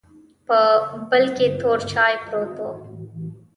په بل کې تور چاې پروت و.